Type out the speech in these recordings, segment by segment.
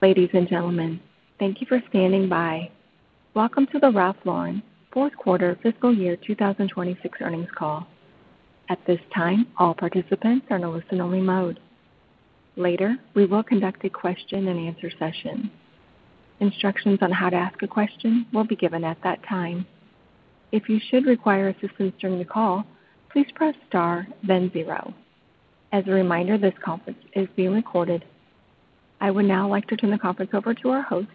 Ladies and gentlemen, thank you for standing by. Welcome to the Ralph Lauren Fourth Quarter Fiscal Year 2026 Earnings Call. At this time, all participants are in listen only mode. Later, we will conduct a question and answer session. Instructions on how to ask a question will be given at that time. If you should require assistance during the call, please press star then zero. As a reminder, this conference is being recorded. I would now like to turn the conference over to our host,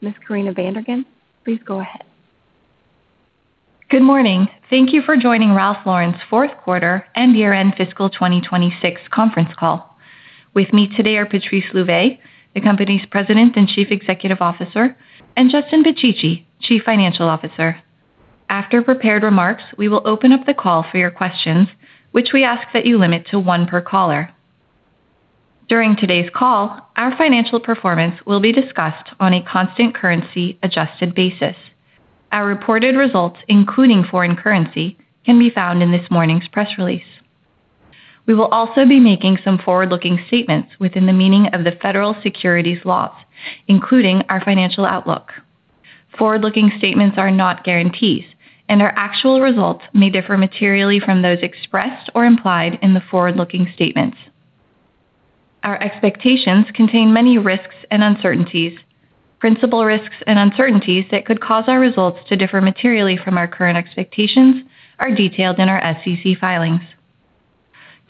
Ms. Corinna Van der Ghinst. Please go ahead. Good morning. Thank you for joining Ralph Lauren's fourth quarter and year-end fiscal 2026 conference call. With me today are Patrice Louvet, the company's President and Chief Executive Officer, and Justin Picicci, Chief Financial Officer. After prepared remarks, we will open up the call for your questions, which we ask that you limit to one per caller. During today's call, our financial performance will be discussed on a constant currency adjusted basis. Our reported results, including foreign currency, can be found in this morning's press release. We will also be making some forward-looking statements within the meaning of the federal securities laws, including our financial outlook. Forward-looking statements are not guarantees, and our actual results may differ materially from those expressed or implied in the forward-looking statements. Our expectations contain many risks and uncertainties. Principal risks and uncertainties that could cause our results to differ materially from our current expectations are detailed in our SEC filings.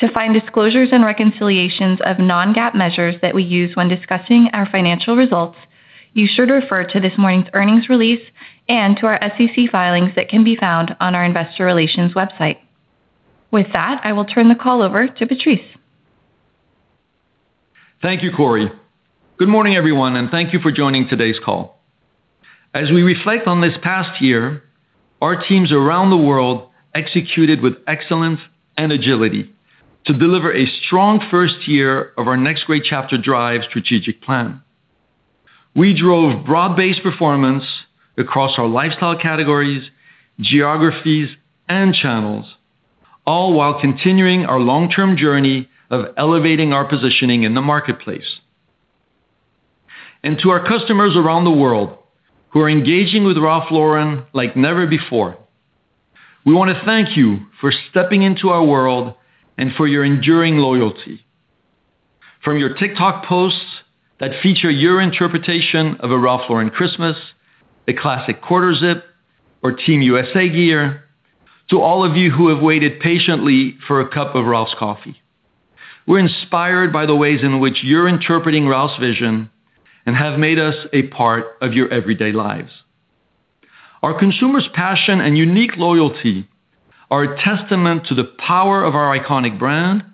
To find disclosures and reconciliations of non-GAAP measures that we use when discussing our financial results, you should refer to this morning's earnings release and to our SEC filings that can be found on our Investor Relations website. With that, I will turn the call over to Patrice. Thank you, Corie. Good morning, everyone, and thank you for joining today's call. As we reflect on this past year, our teams around the world executed with excellence and agility to deliver a strong first year of our Next Great Chapter: Drive strategic plan. We drove broad-based performance across our lifestyle categories, geographies, and channels, all while continuing our long-term journey of elevating our positioning in the marketplace. To our customers around the world who are engaging with Ralph Lauren like never before, we want to thank you for stepping into our world and for your enduring loyalty. From your TikTok posts that feature your interpretation of a Ralph Lauren Christmas, the classic quarter zip, or Team USA gear, to all of you who have waited patiently for a cup of Ralph's coffee. We're inspired by the ways in which you're interpreting Ralph's vision and have made us a part of your everyday lives. Our consumers' passion and unique loyalty are a testament to the power of our iconic brand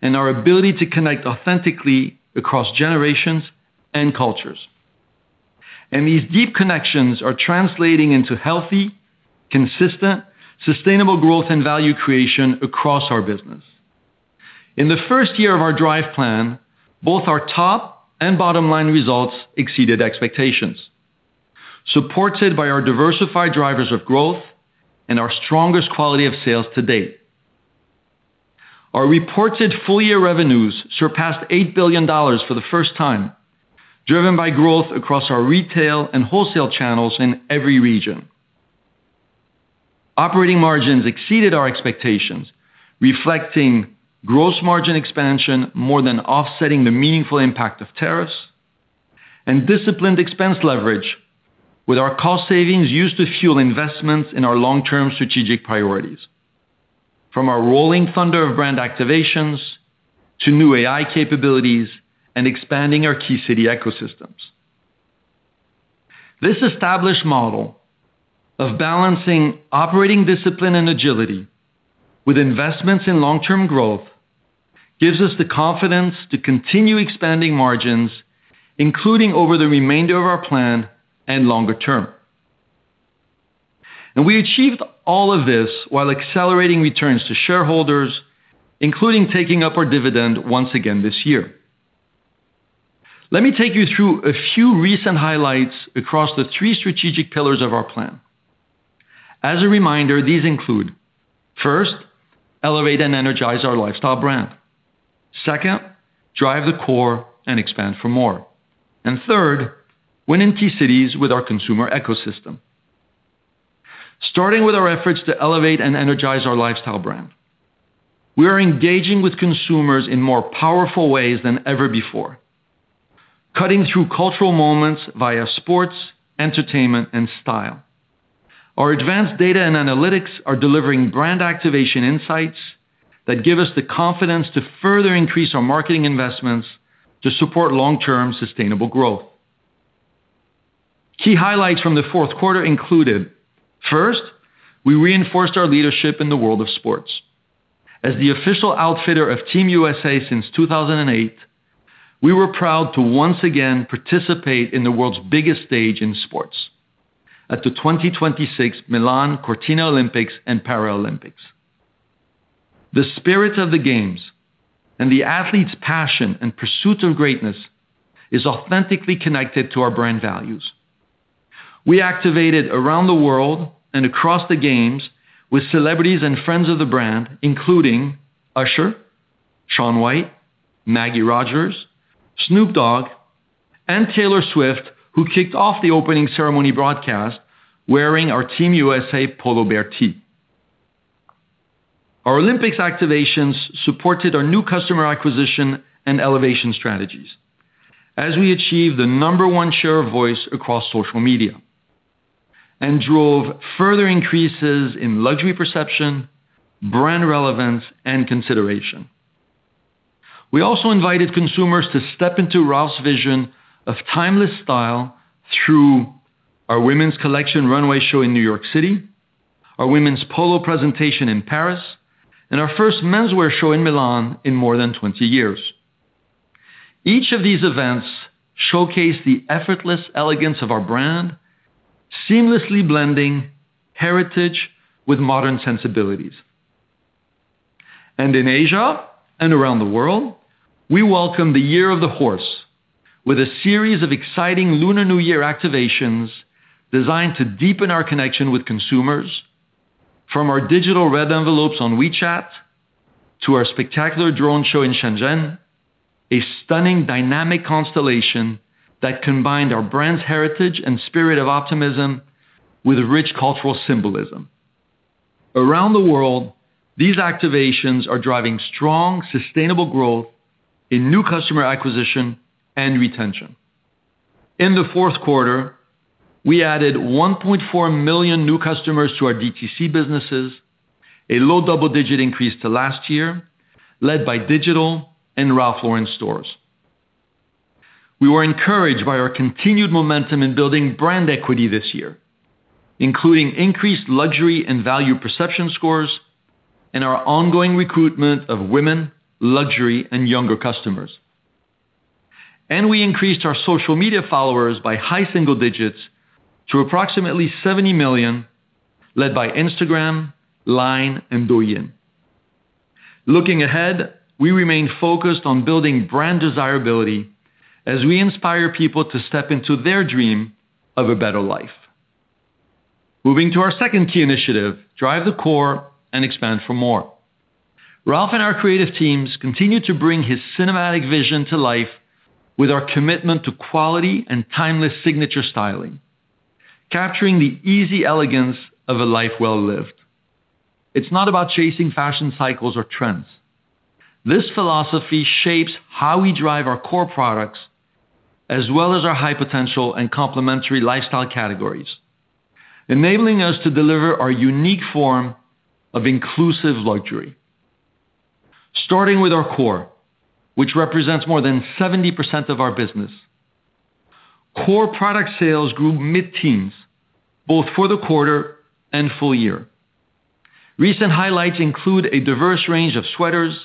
and our ability to connect authentically across generations and cultures. These deep connections are translating into healthy, consistent, sustainable growth and value creation across our business. In the first year of our Drive plan, both our top and bottom-line results exceeded expectations, supported by our diversified drivers of growth and our strongest quality of sales to date. Our reported full-year revenues surpassed $8 billion for the first time, driven by growth across our retail and wholesale channels in every region. Operating margins exceeded our expectations, reflecting gross margin expansion more than offsetting the meaningful impact of tariffs, and disciplined expense leverage with our cost savings used to fuel investments in our long-term strategic priorities, from our rolling thunder of brand activations to new AI capabilities and expanding our key city ecosystems. This established model of balancing operating discipline and agility with investments in long-term growth gives us the confidence to continue expanding margins, including over the remainder of our plan and longer term. We achieved all of this while accelerating returns to shareholders, including taking up our dividend once again this year. Let me take you through a few recent highlights across the three strategic pillars of our plan. As a reminder, these include, first, elevate and energize our lifestyle brand. Second, drive the core and expand for more. Third, win in key cities with our consumer ecosystem. Starting with our efforts to elevate and energize our lifestyle brand. We are engaging with consumers in more powerful ways than ever before, cutting through cultural moments via sports, entertainment, and style. Our advanced data and analytics are delivering brand activation insights that give us the confidence to further increase our marketing investments to support long-term sustainable growth. Key highlights from the fourth quarter included, first, we reinforced our leadership in the world of sports. As the official outfitter of Team USA since 2008, we were proud to once again participate in the world's biggest stage in sports at the 2026 Milan Cortina Olympics and Paralympics. The spirit of the games and the athletes' passion and pursuit of greatness is authentically connected to our brand values. We activated around the world and across the games with celebrities and friends of the brand, including Usher, Shaun White, Maggie Rogers, Snoop Dogg, and Taylor Swift, who kicked off the opening ceremony broadcast wearing our Team USA Polo Bear tee. Our Olympics activations supported our new customer acquisition and elevation strategies as we achieved the number 1 share of voice across social media and drove further increases in luxury perception, brand relevance, and consideration. We also invited consumers to step into Ralph's vision of timeless style through our women's collection runway show in New York City, our women's Polo presentation in Paris, and our first menswear show in Milan in more than 20 years. Each of these events showcased the effortless elegance of our brand, seamlessly blending heritage with modern sensibilities. In Asia and around the world, we welcome the Lunar New Year with a series of exciting Lunar New Year activations designed to deepen our connection with consumers from our digital red envelopes on WeChat, to our spectacular drone show in Shenzhen, a stunning dynamic constellation that combined our brand's heritage and spirit of optimism with rich cultural symbolism. Around the world, these activations are driving strong, sustainable growth in new customer acquisition and retention. In the fourth quarter, we added 1.4 million new customers to our DTC businesses, a low double-digit increase to last year, led by digital and Ralph Lauren stores. We were encouraged by our continued momentum in building brand equity this year, including increased luxury and value perception scores and our ongoing recruitment of women, luxury, and younger customers. We increased our social media followers by high single digits to approximately 70 million, led by Instagram, LINE, and Douyin. Looking ahead, we remain focused on building brand desirability as we inspire people to step into their dream of a better life. Moving to our second key initiative, drive the core and expand for more. Ralph and our creative teams continue to bring his cinematic vision to life with our commitment to quality and timeless signature styling, capturing the easy elegance of a life well-lived. It's not about chasing fashion cycles or trends. This philosophy shapes how we drive our core products as well as our high-potential and complementary lifestyle categories, enabling us to deliver our unique form of inclusive luxury. Starting with our core, which represents more than 70% of our business. Core product sales grew mid-teens, both for the quarter and full year. Recent highlights include a diverse range of sweaters,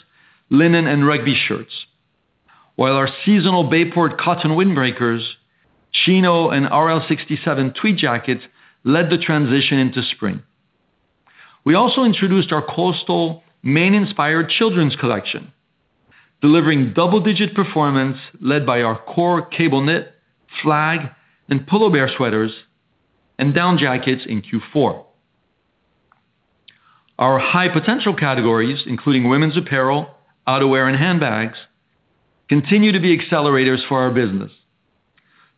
linen, and rugby shirts. While our seasonal Bayport cotton windbreakers, chino, and RL67 tweed jackets led the transition into spring. We also introduced our coastal Maine-inspired children's collection, delivering double-digit performance led by our core cable knit, flag, and Polo Bear sweaters and down jackets in Q4. Our high-potential categories, including women's apparel, outerwear, and handbags, continue to be accelerators for our business.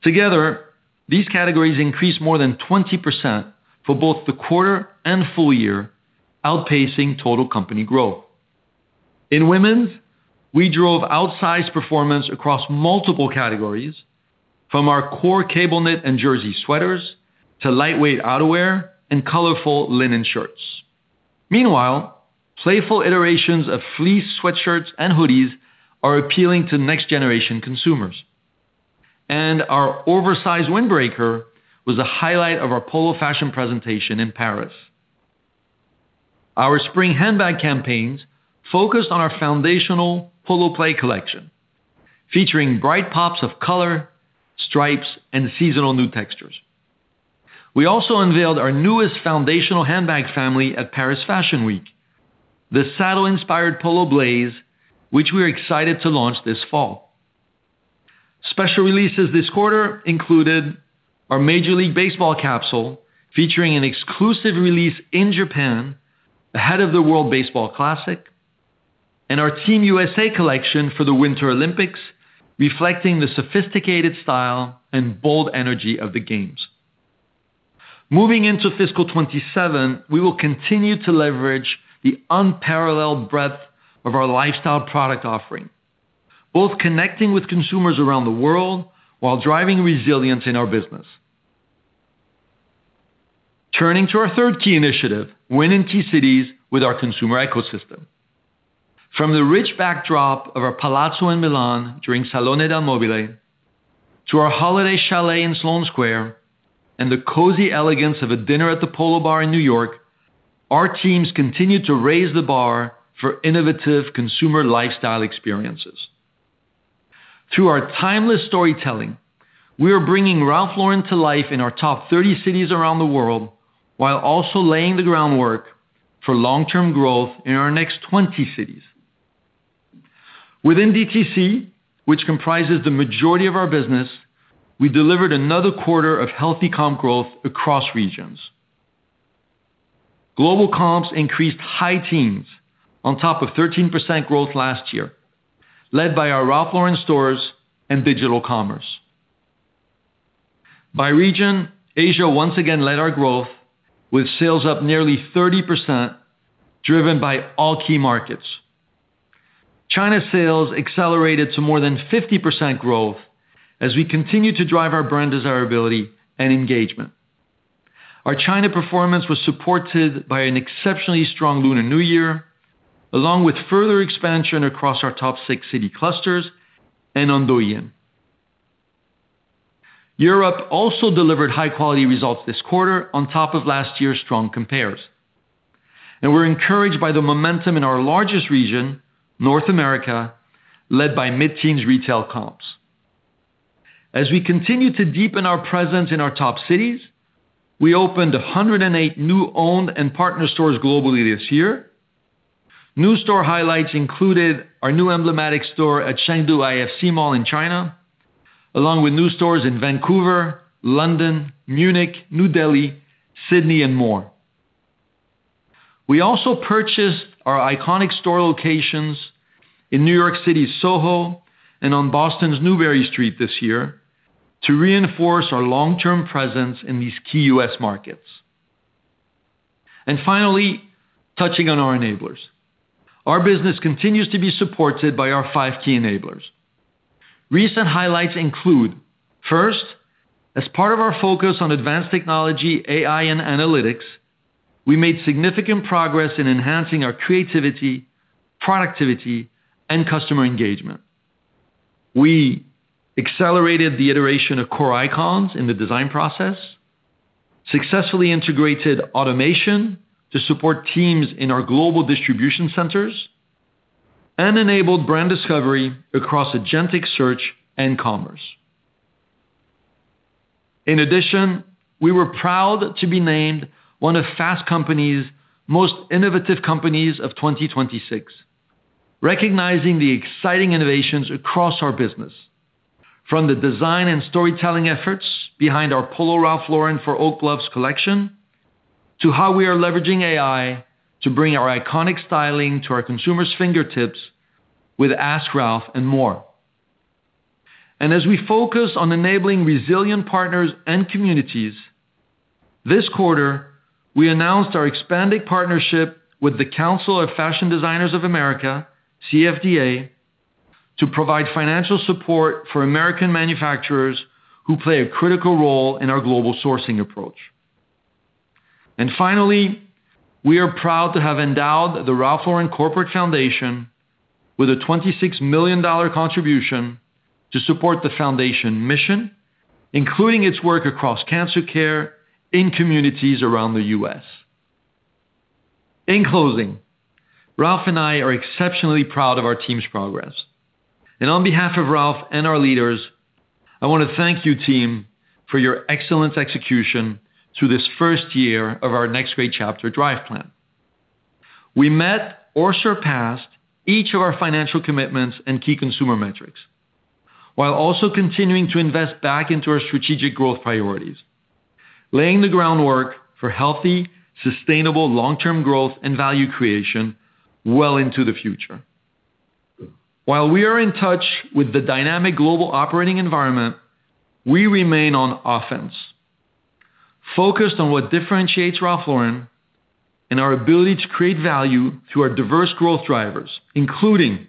Together, these categories increased more than 20% for both the quarter and full year, outpacing total company growth. In women's, we drove outsized performance across multiple categories from our core cable knit and jersey sweaters to lightweight outerwear and colorful linen shirts. Meanwhile, playful iterations of fleece sweatshirts and hoodies are appealing to next-generation consumers. Our oversized windbreaker was the highlight of our Polo fashion presentation in Paris. Our spring handbag campaigns focused on our foundational Polo Plaque collection, featuring bright pops of color, stripes, and seasonal new textures. We also unveiled our newest foundational handbag family at Paris Fashion Week, the saddle-inspired Polo Blaze, which we're excited to launch this fall. Special releases this quarter included our Major League Baseball capsule, featuring an exclusive release in Japan ahead of the World Baseball Classic, and our Team USA collection for the Winter Olympics, reflecting the sophisticated style and bold energy of the games. Moving into fiscal 2027, we will continue to leverage the unparalleled breadth of our lifestyle product offering, both connecting with consumers around the world while driving resilience in our business. Turning to our third key initiative, win in key cities with our consumer ecosystem. From the rich backdrop of our palazzo in Milan during Salone del Mobile to our holiday chalet in Sloane Square and the cozy elegance of a dinner at the Polo Bar in New York, our teams continue to raise the bar for innovative consumer lifestyle experiences. Through our timeless storytelling, we are bringing Ralph Lauren to life in our top 30 cities around the world while also laying the groundwork for long-term growth in our next 20 cities. Within DTC, which comprises the majority of our business, we delivered another quarter of healthy comp growth across regions. Global comps increased high teens on top of 13% growth last year, led by our Ralph Lauren stores and digital commerce. By region, Asia once again led our growth with sales up nearly 30%, driven by all key markets. China sales accelerated to more than 50% growth as we continue to drive our brand desirability and engagement. Our China performance was supported by an exceptionally strong Lunar New Year, along with further expansion across our top six city clusters and on Douyin. Europe also delivered high-quality results this quarter on top of last year's strong compares. We're encouraged by the momentum in our largest region, North America, led by mid-teens retail comps. As we continue to deepen our presence in our top cities, we opened 108 new owned and partner stores globally this year. New store highlights included our new emblematic store at Chengdu IFC Mall in China, along with new stores in Vancouver, London, Munich, New Delhi, Sydney, and more. We also purchased our iconic store locations in New York City's SoHo and on Boston's Newbury Street this year to reinforce our long-term presence in these key U.S. markets. Finally, touching on our enablers. Our business continues to be supported by our five key enablers. Recent highlights include, first, as part of our focus on advanced technology, AI, and analytics, we made significant progress in enhancing our creativity, productivity, and customer engagement. We accelerated the iteration of core icons in the design process, successfully integrated automation to support teams in our global distribution centers, and enabled brand discovery across agentic search and commerce. In addition, we were proud to be named one of "Fast Company's" most innovative companies of 2026, recognizing the exciting innovations across our business, from the design and storytelling efforts behind our Polo Ralph Lauren for Vogue collection, to how we are leveraging AI to bring our iconic styling to our consumers' fingertips with Ask Ralph and more. As we focus on enabling resilient partners and communities, this quarter, we announced our expanding partnership with the Council of Fashion Designers of America, CFDA, to provide financial support for American manufacturers who play a critical role in our global sourcing approach. Finally, we are proud to have endowed The Ralph Lauren Corporate Foundation with a $26 million contribution to support the foundation mission, including its work across cancer care in communities around the U.S. In closing, Ralph and I are exceptionally proud of our team's progress. On behalf of Ralph and our leaders, I want to thank you, team, for your excellent execution through this first year of our Next Great Chapter: Drive plan. We met or surpassed each of our financial commitments and key consumer metrics, while also continuing to invest back into our strategic growth priorities, laying the groundwork for healthy, sustainable long-term growth and value creation well into the future. While we are in touch with the dynamic global operating environment, we remain on offense, focused on what differentiates Ralph Lauren and our ability to create value through our diverse growth drivers, including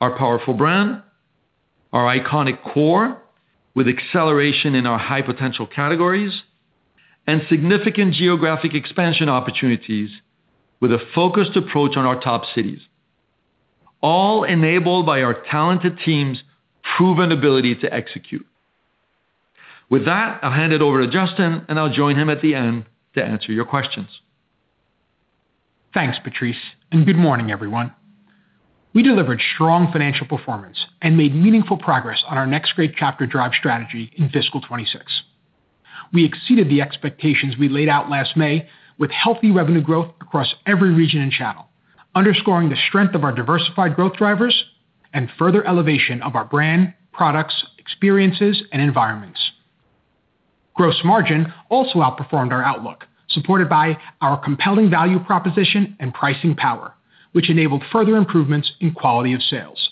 our powerful brand, our iconic core with acceleration in our high-potential categories, and significant geographic expansion opportunities with a focused approach on our top cities, all enabled by our talented team's proven ability to execute. With that, I'll hand it over to Justin, and I'll join him at the end to answer your questions. Thanks, Patrice, and good morning, everyone. We delivered strong financial performance and made meaningful progress on our Next Great Chapter: Drive strategy in fiscal 2026. We exceeded the expectations we laid out last May with healthy revenue growth across every region and channel, underscoring the strength of our diversified growth drivers and further elevation of our brand, products, experiences, and environments. Gross margin also outperformed our outlook, supported by our compelling value proposition and pricing power, which enabled further improvements in quality of sales,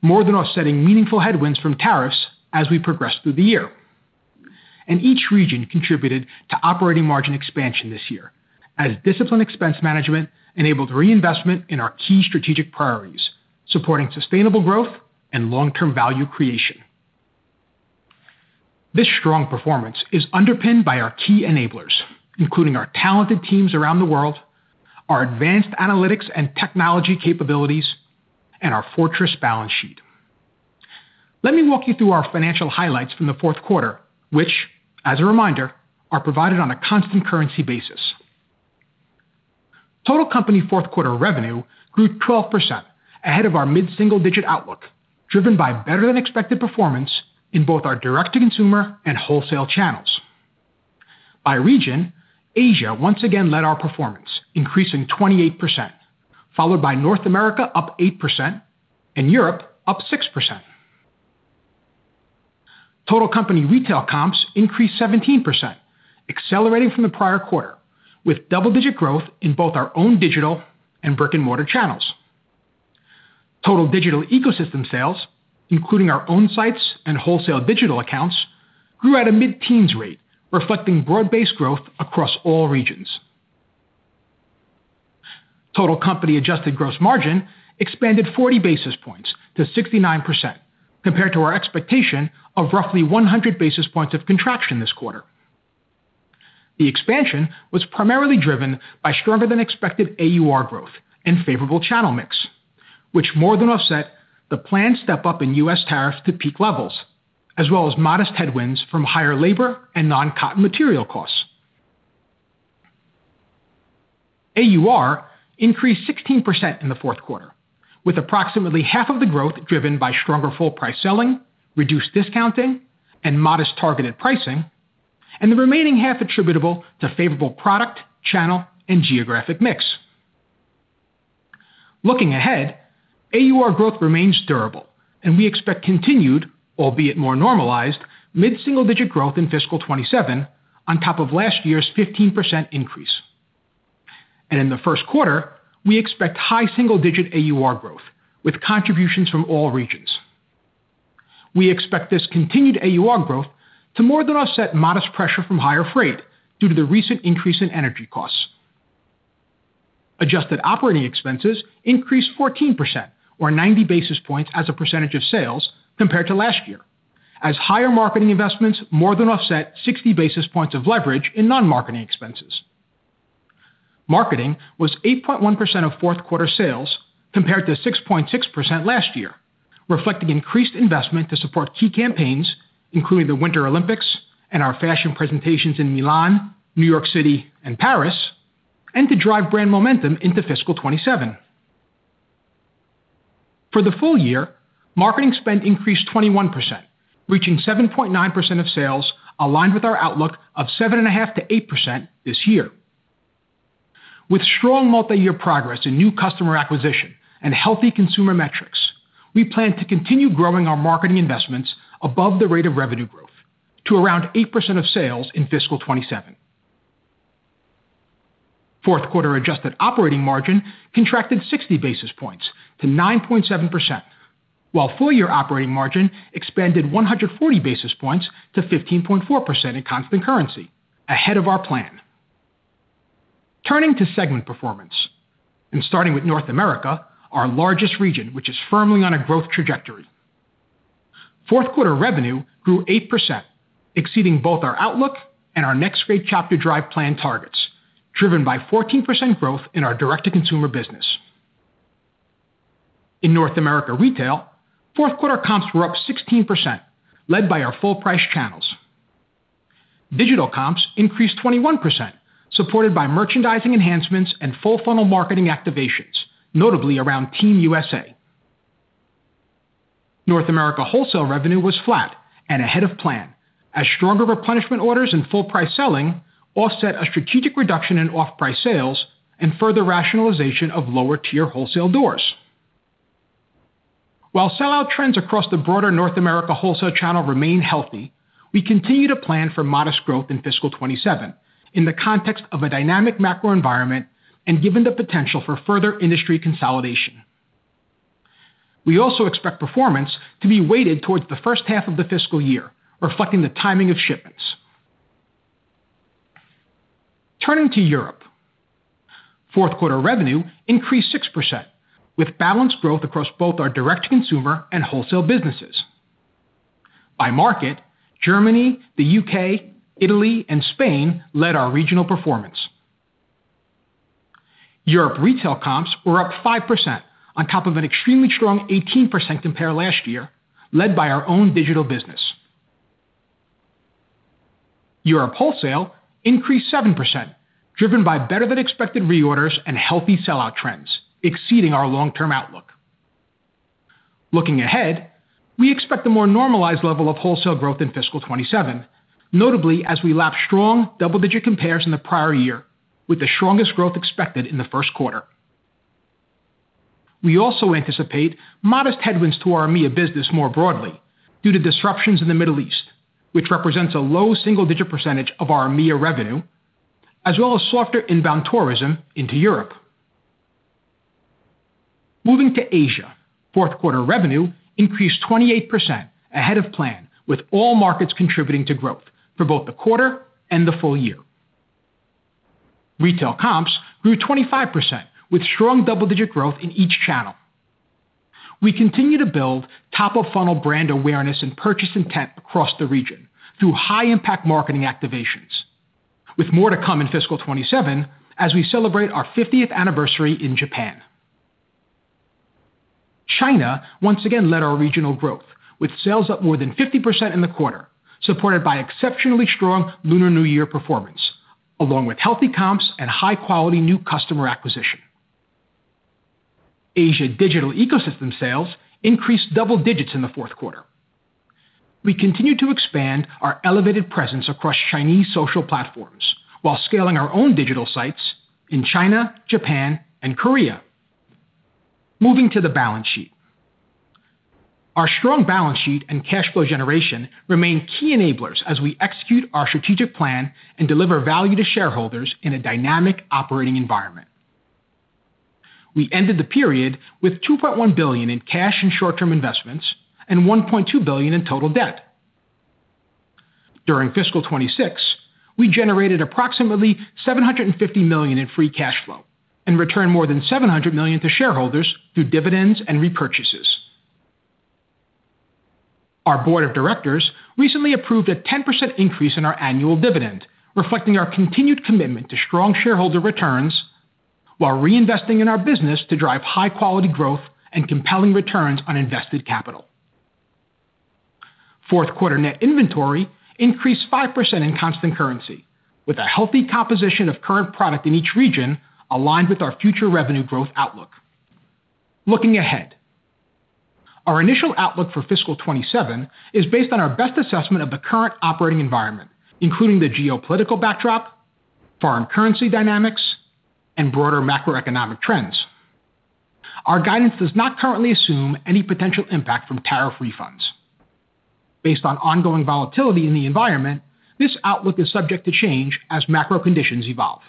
more than offsetting meaningful headwinds from tariffs as we progressed through the year. Each region contributed to operating margin expansion this year, as disciplined expense management enabled reinvestment in our key strategic priorities, supporting sustainable growth and long-term value creation. This strong performance is underpinned by our key enablers, including our talented teams around the world, our advanced analytics and technology capabilities, and our fortress balance sheet. Let me walk you through our financial highlights from the fourth quarter, which, as a reminder, are provided on a constant currency basis. Total company fourth quarter revenue grew 12% ahead of our mid-single-digit outlook, driven by better-than-expected performance in both our direct-to-consumer and wholesale channels. By region, Asia, once again, led our performance, increasing 28%, followed by North America, up 8%, and Europe, up 6%. Total company retail comps increased 17%, accelerating from the prior quarter, with double-digit growth in both our own digital and brick-and-mortar channels. Total digital ecosystem sales, including our own sites and wholesale digital accounts, grew at a mid-teens rate, reflecting broad-based growth across all regions. Total company adjusted gross margin expanded 40 basis points to 69%, compared to our expectation of roughly 100 basis points of contraction this quarter. The expansion was primarily driven by stronger than expected AUR growth and favorable channel mix, which more than offset the planned step-up in U.S. tariff to peak levels, as well as modest headwinds from higher labor and non-cotton material costs. AUR increased 16% in the fourth quarter, with approximately half of the growth driven by stronger full price selling, reduced discounting, and modest targeted pricing, and the remaining half attributable to favorable product, channel, and geographic mix. Looking ahead, AUR growth remains durable and we expect continued, albeit more normalized, mid-single-digit growth in fiscal 2027 on top of last year's 15% increase. In the first quarter, we expect high single-digit AUR growth with contributions from all regions. We expect this continued AUR growth to more than offset modest pressure from higher freight due to the recent increase in energy costs. Adjusted operating expenses increased 14%, or 90 basis points as a percentage of sales compared to last year, as higher marketing investments more than offset 60 basis points of leverage in non-marketing expenses. Marketing was 8.1% of fourth quarter sales, compared to 6.6% last year, reflecting increased investment to support key campaigns, including the Winter Olympics and our fashion presentations in Milan, New York City, and Paris, and to drive brand momentum into fiscal 2027. For the full year, marketing spend increased 21%, reaching 7.9% of sales aligned with our outlook of 7.5% to 8% this year. With strong multi-year progress in new customer acquisition and healthy consumer metrics, we plan to continue growing our marketing investments above the rate of revenue growth to around 8% of sales in fiscal 2027. Fourth quarter adjusted operating margin contracted 60 basis points to 9.7%, while full-year operating margin expanded 140 basis points to 15.4% in constant currency, ahead of our plan. Turning to segment performance and starting with North America, our largest region, which is firmly on a growth trajectory. Fourth quarter revenue grew 8%, exceeding both our outlook and our Next Great Chapter: Drive plan targets, driven by 14% growth in our direct-to-consumer business. In North America retail, fourth quarter comps were up 16%, led by our full price channels. Digital comps increased 21%, supported by merchandising enhancements and full funnel marketing activations, notably around Team USA. North America wholesale revenue was flat and ahead of plan as stronger replenishment orders and full-price selling offset a strategic reduction in off-price sales and further rationalization of lower-tier wholesale doors. While sell-out trends across the broader North America wholesale channel remain healthy, we continue to plan for modest growth in fiscal 2027 in the context of a dynamic macro environment and given the potential for further industry consolidation. We also expect performance to be weighted towards the first half of the fiscal year, reflecting the timing of shipments. Turning to Europe. Fourth quarter revenue increased 6%, with balanced growth across both our direct-to-consumer and wholesale businesses. By market, Germany, the U.K., Italy, and Spain led our regional performance. Europe retail comps were up 5% on top of an extremely strong 18% compare last year, led by our own digital business. Europe wholesale increased 7%, driven by better than expected reorders and healthy sell-out trends exceeding our long-term outlook. Looking ahead, we expect a more normalized level of wholesale growth in fiscal 2027, notably as we lap strong double-digit compares in the prior year with the strongest growth expected in the first quarter. We also anticipate modest headwinds to our EMEA business more broadly due to disruptions in the Middle East, which represents a low single-digit percentage of our EMEA revenue, as well as softer inbound tourism into Europe. Moving to Asia. Fourth quarter revenue increased 28% ahead of plan with all markets contributing to growth for both the quarter and the full year. Retail comps grew 25% with strong double-digit growth in each channel. We continue to build top-of-funnel brand awareness and purchase intent across the region through high impact marketing activations with more to come in fiscal 2027 as we celebrate our 50th anniversary in Japan. China, once again, led our regional growth with sales up more than 50% in the quarter, supported by exceptionally strong Lunar New Year performance, along with healthy comps and high-quality new customer acquisition. Asia digital ecosystem sales increased double digits in the fourth quarter. We continue to expand our elevated presence across Chinese social platforms while scaling our own digital sites in China, Japan, and Korea. Moving to the balance sheet. Our strong balance sheet and cash flow generation remain key enablers as we execute our strategic plan and deliver value to shareholders in a dynamic operating environment. We ended the period with $2.1 billion in cash and short-term investments and $1.2 billion in total debt. During fiscal 2026, we generated approximately $750 million in free cash flow and returned more than $700 million to shareholders through dividends and repurchases. Our Board of Directors recently approved a 10% increase in our annual dividend, reflecting our continued commitment to strong shareholder returns while reinvesting in our business to drive high-quality growth and compelling returns on invested capital. Fourth quarter net inventory increased 5% in constant currency, with a healthy composition of current product in each region aligned with our future revenue growth outlook. Looking ahead, our initial outlook for fiscal 2027 is based on our best assessment of the current operating environment, including the geopolitical backdrop, foreign currency dynamics, and broader macroeconomic trends. Our guidance does not currently assume any potential impact from tariff refunds. Based on ongoing volatility in the environment, this outlook is subject to change as macro conditions evolve.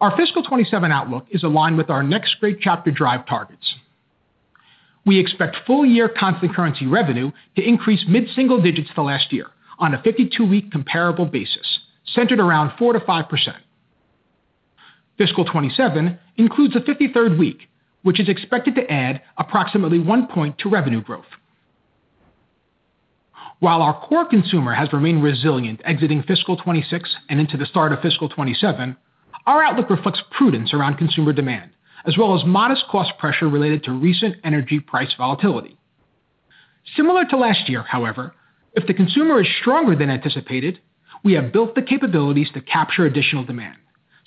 Our fiscal 2027 outlook is aligned with our Next Great Chapter: Drive targets. We expect full year constant currency revenue to increase mid-single digits to last year on a 52-week comparable basis centered around 4%-5%. Fiscal 2027 includes a 53rd week, which is expected to add approximately one point to revenue growth. While our core consumer has remained resilient exiting fiscal 2026 and into the start of fiscal 2027, our outlook reflects prudence around consumer demand as well as modest cost pressure related to recent energy price volatility. Similar to last year, however, if the consumer is stronger than anticipated, we have built the capabilities to capture additional demand,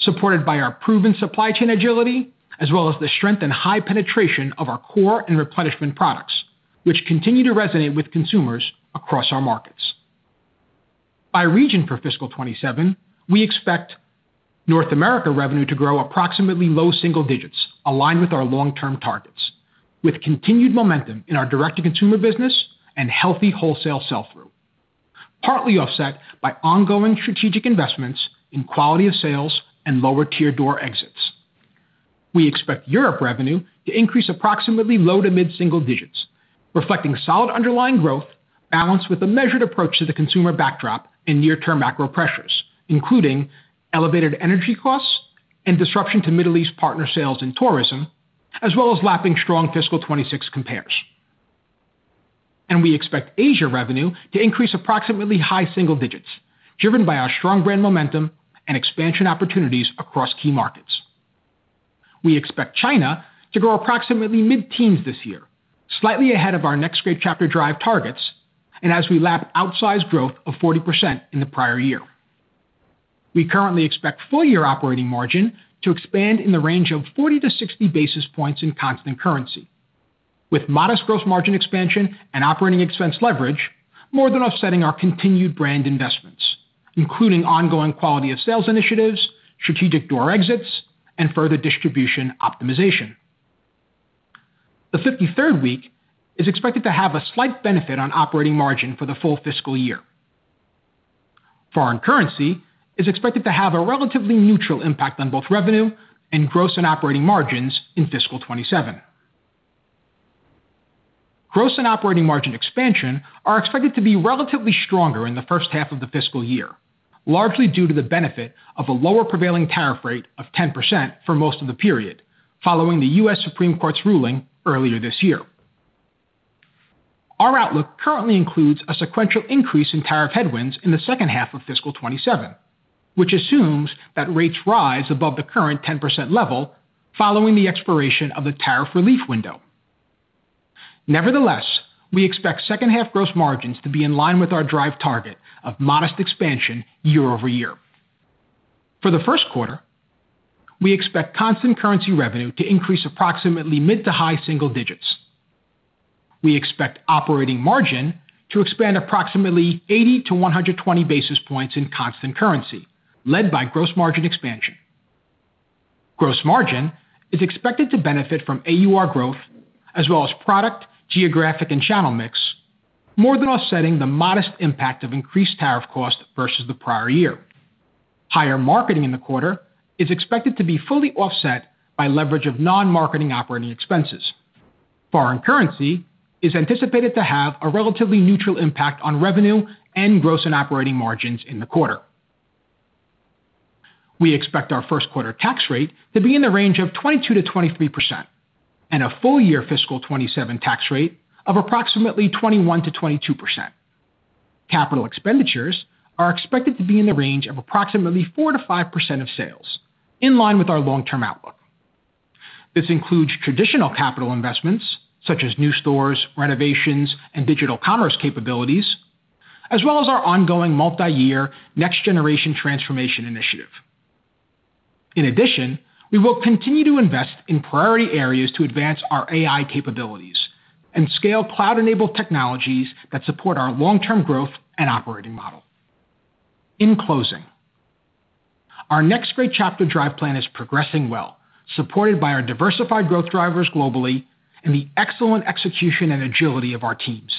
supported by our proven supply chain agility as well as the strength and high penetration of our core and replenishment products, which continue to resonate with consumers across our markets. By region for fiscal 2027, we expect North America revenue to grow approximately low single digits, aligned with our long-term targets, with continued momentum in our direct-to-consumer business and healthy wholesale sell-through, partly offset by ongoing strategic investments in quality of sales and lower tier door exits. We expect Europe revenue to increase approximately low to mid single digits, reflecting solid underlying growth balanced with a measured approach to the consumer backdrop and near-term macro pressures, including elevated energy costs and disruption to Middle East partner sales and tourism, as well as lapping strong fiscal 2026 compares. We expect Asia revenue to increase approximately high single digits, driven by our strong brand momentum and expansion opportunities across key markets. We expect China to grow approximately mid-teens this year, slightly ahead of our Next Great Chapter: Drive targets, as we lap outsized growth of 40% in the prior year. We currently expect full-year operating margin to expand in the range of 40-60 basis points in constant currency, with modest gross margin expansion and operating expense leverage more than offsetting our continued brand investments, including ongoing quality of sales initiatives, strategic door exits, and further distribution optimization. The 53rd week is expected to have a slight benefit on operating margin for the full fiscal year. Foreign currency is expected to have a relatively neutral impact on both revenue and gross and operating margins in fiscal 2027. Gross and operating margin expansion are expected to be relatively stronger in the first half of the fiscal year, largely due to the benefit of a lower prevailing tariff rate of 10% for most of the period, following the U.S. Supreme Court's ruling earlier this year. Our outlook currently includes a sequential increase in tariff headwinds in the second half of fiscal 2027, which assumes that rates rise above the current 10% level following the expiration of the tariff relief window. Nevertheless, we expect second half gross margins to be in line with our Drive target of modest expansion year-over-year. For the first quarter, we expect constant currency revenue to increase approximately mid- to high-single digits. We expect operating margin to expand approximately 80-120 basis points in constant currency, led by gross margin expansion. Gross margin is expected to benefit from AUR growth as well as product, geographic, and channel mix, more than offsetting the modest impact of increased tariff cost versus the prior year. Higher marketing in the quarter is expected to be fully offset by leverage of non-marketing operating expenses. Foreign currency is anticipated to have a relatively neutral impact on revenue and gross and operating margins in the quarter. We expect our first quarter tax rate to be in the range of 22%-23% and a full-year fiscal 2027 tax rate of approximately 21%-22%. Capital expenditures are expected to be in the range of approximately 4%-5% of sales, in line with our long-term outlook. This includes traditional capital investments such as new stores, renovations, and digital commerce capabilities as well as our ongoing multi-year next generation transformation initiative. In addition, we will continue to invest in priority areas to advance our AI capabilities and scale cloud-enabled technologies that support our long-term growth and operating model. In closing, our Next Great Chapter: Drive plan is progressing well, supported by our diversified growth drivers globally and the excellent execution and agility of our teams.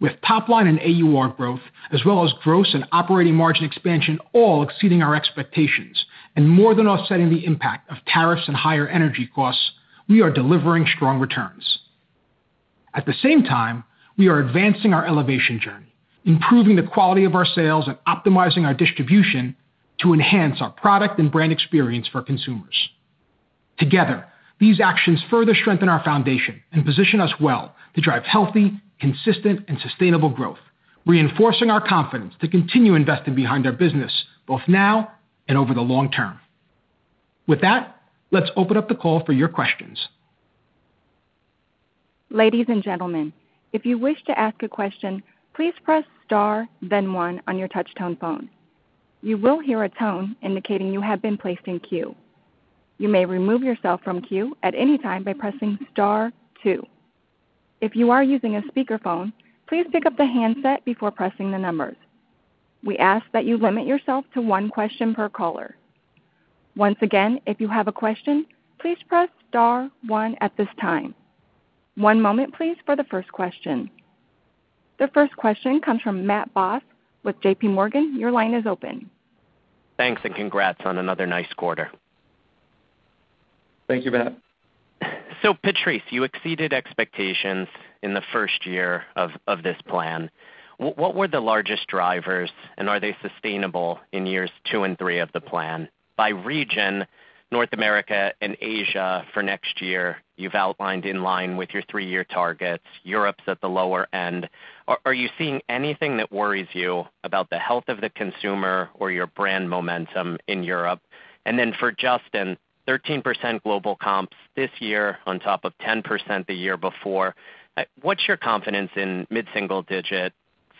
With top line and AUR growth, as well as gross and operating margin expansion all exceeding our expectations and more than offsetting the impact of tariffs and higher energy costs, we are delivering strong returns. At the same time, we are advancing our elevation journey, improving the quality of our sales and optimizing our distribution to enhance our product and brand experience for consumers. Together, these actions further strengthen our foundation and position us well to drive healthy, consistent, and sustainable growth, reinforcing our confidence to continue investing behind our business, both now and over the long term. With that, let's open up the call for your questions. Ladies and gentlemen if you wish to ask a question, please press starthen one on your touchtone phone. You will hear a tone indicating you have been placed in queue. You may remove yourself from queue at any time by pressing star two. If you are using a speakerphone, please pick up the handset before pressing the number. We ask that you limit yourself to one question per caller. Once again, if you have a question, please press star one at this time. One moment please for the first question. The first question comes from Matt Boss with JPMorgan. Your line is open. Thanks, and congrats on another nice quarter. Thank you, Matt. Patrice, you exceeded expectations in the first year of this plan. What were the largest drivers, and are they sustainable in years two and three of the plan? By region, North America and Asia for next year, you've outlined in line with your three-year targets. Europe's at the lower end. Are you seeing anything that worries you about the health of the consumer or your brand momentum in Europe? For Justin, 13% global comps this year on top of 10% the year before. What's your confidence in mid-single digit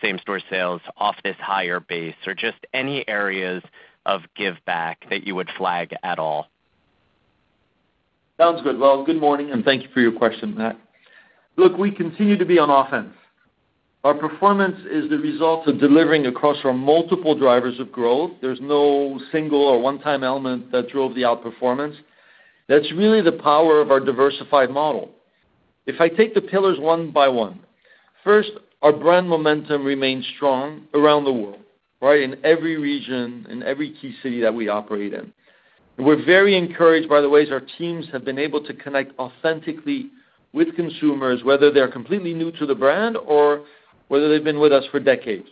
same store sales off this higher base? Just any areas of give back that you would flag at all? Sounds good. Good morning, and thank you for your question, Matt. We continue to be on offense. Our performance is the result of delivering across our multiple drivers of growth. There's no single or one-time element that drove the outperformance. That's really the power of our diversified model. If I take the pillars one by one, first, our brand momentum remains strong around the world. In every region, in every key city that we operate in. We're very encouraged by the ways our teams have been able to connect authentically with consumers, whether they're completely new to the brand or whether they've been with us for decades.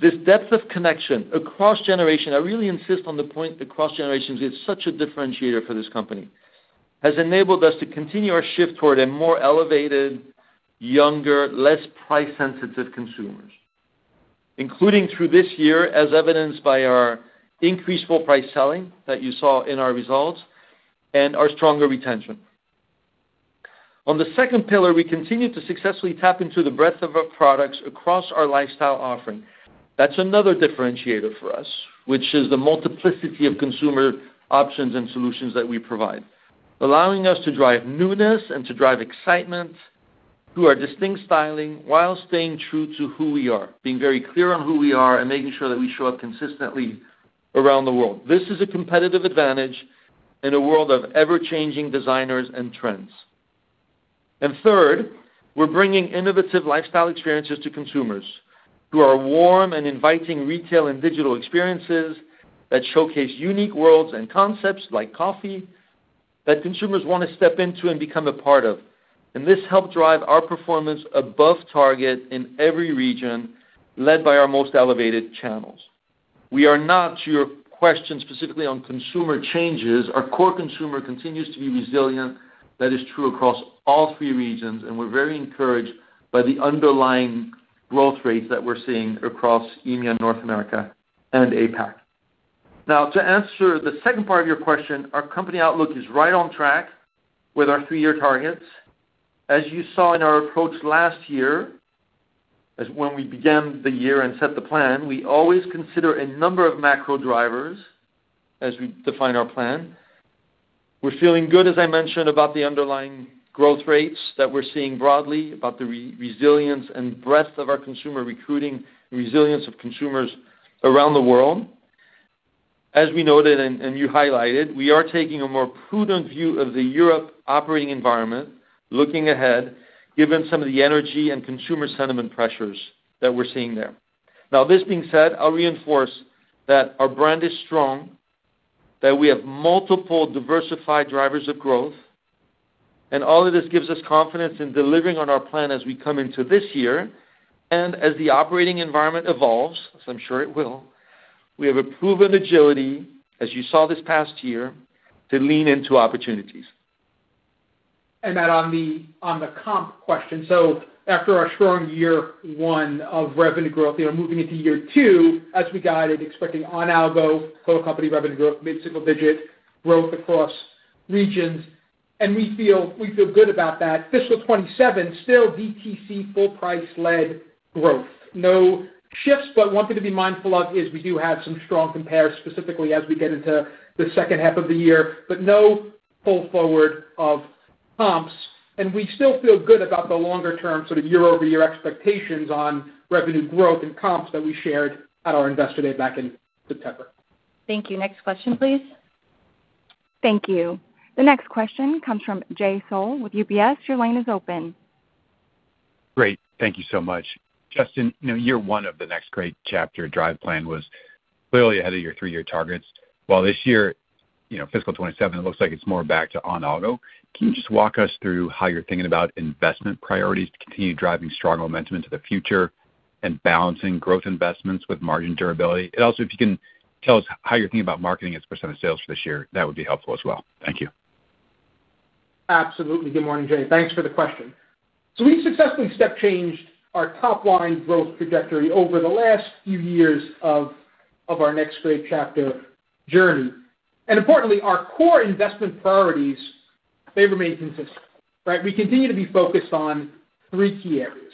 This depth of connection across generation, I really insist on the point that cross-generations is such a differentiator for this company, has enabled us to continue our shift toward a more elevated, younger, less price-sensitive consumers, including through this year as evidenced by our increased full price selling that you saw in our results and our stronger retention. On the second pillar, we continue to successfully tap into the breadth of our products across our lifestyle offering. That's another differentiator for us, which is the multiplicity of consumer options and solutions that we provide, allowing us to drive newness and to drive excitement through our distinct styling while staying true to who we are, being very clear on who we are and making sure that we show up consistently around the world. This is a competitive advantage in a world of ever-changing designers and trends. Third, we're bringing innovative lifestyle experiences to consumers through our warm and inviting retail and digital experiences that showcase unique worlds and concepts like coffee that consumers want to step into and become a part of. This helped drive our performance above target in every region, led by our most elevated channels. We are not, to your question specifically on consumer changes, our core consumer continues to be resilient. That is true across all three regions, and we're very encouraged by the underlying growth rates that we're seeing across EMEA, North America and APAC. To answer the second part of your question, our company outlook is right on track with our three-year targets. You saw in our approach last year, as when we began the year and set the plan, we always consider a number of macro drivers as we define our plan. We're feeling good, as I mentioned, about the underlying growth rates that we're seeing broadly, about the resilience and breadth of our consumer recruiting, resilience of consumers around the world. As we noted and you highlighted, we are taking a more prudent view of the Europe operating environment looking ahead, given some of the energy and consumer sentiment pressures that we're seeing there. Now, this being said, I'll reinforce that our brand is strong, that we have multiple diversified drivers of growth, and all of this gives us confidence in delivering on our plan as we come into this year and as the operating environment evolves, as I'm sure it will, we have a proven agility, as you saw this past year, to lean into opportunities. Matt, on the comp question. After our strong year one of revenue growth, moving into year two, as we guided, expecting on algo, total company revenue growth, mid-single digit growth across regions. We feel good about that. Fiscal 2027, still DTC, full price-led growth. No shifts, but one thing to be mindful of is we do have some strong compares, specifically as we get into the second half of the year, but no pull forward of comps. We still feel good about the longer-term year-over-year expectations on revenue growth and comps that we shared at our Investor Day back in September. Thank you. Next question, please. Thank you. The next question comes from Jay Sole with UBS. Your line is open. Great. Thank you so much. Justin, year one of the Next Great Chapter: Drive plan was clearly ahead of your three-year targets, while this year, fiscal 2027, it looks like it's more back to on auto. Can you just walk us through how you're thinking about investment priorities to continue driving strong momentum into the future and balancing growth investments with margin durability? Also, if you can tell us how you're thinking about marketing as a percentage of sales for this year, that would be helpful as well. Thank you. Absolutely. Good morning, Jay. Thanks for the question. We successfully step changed our top line growth trajectory over the last few years of our Next Great Chapter journey. Importantly, our core investment priorities, they remain consistent, right? We continue to be focused on three key areas.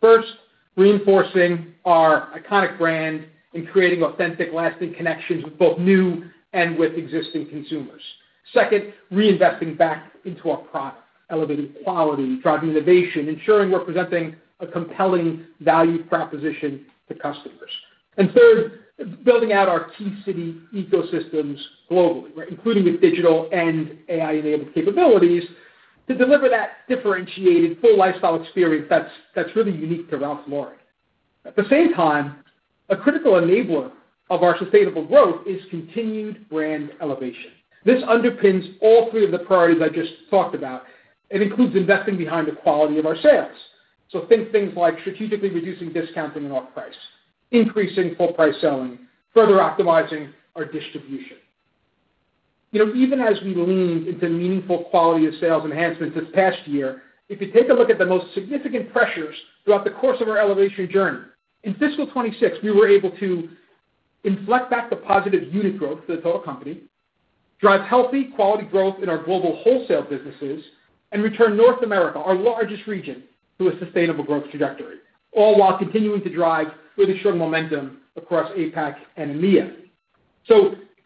First, reinforcing our iconic brand and creating authentic, lasting connections with both new and with existing consumers. Second, reinvesting back into our product, elevating quality, driving innovation, ensuring we're presenting a compelling value proposition to customers. Third, building out our key city ecosystems globally, including with digital and AI-enabled capabilities to deliver that differentiated full lifestyle experience that's really unique to Ralph Lauren. At the same time, a critical enabler of our sustainable growth is continued brand elevation. This underpins all three of the priorities I just talked about. It includes investing behind the quality of our sales. Think things like strategically reducing discounting and off price, increasing full price selling, further optimizing our distribution. Even as we leaned into meaningful quality of sales enhancements this past year, if you take a look at the most significant pressures throughout the course of our elevation journey, in fiscal 2026, we were able to inflect back the positive unit growth to the total company, drive healthy quality growth in our global wholesale businesses, and return North America, our largest region, to a sustainable growth trajectory, all while continuing to drive really strong momentum across APAC and EMEA.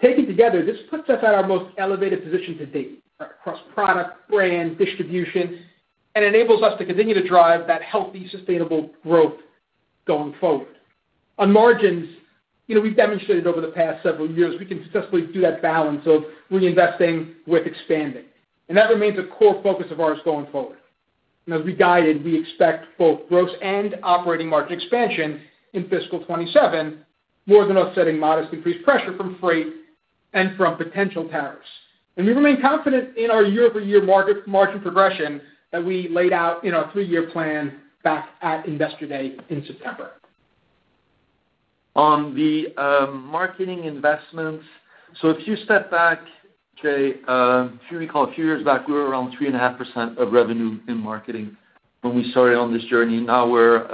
Taken together, this puts us at our most elevated position to date across product, brand, distribution, and enables us to continue to drive that healthy, sustainable growth going forward. On margins, we've demonstrated over the past several years, we can successfully do that balance of reinvesting with expanding. That remains a core focus of ours going forward. As we guided, we expect both gross and operating margin expansion in fiscal 2027, more than offsetting modest increased pressure from freight and from potential tariffs. We remain confident in our year-over-year margin progression that we laid out in our three-year plan back at Investor Day in September. On the marketing investments. If you step back, Jay, if you recall a few years back, we were around 3.5% of revenue in marketing when we started on this journey. Now we're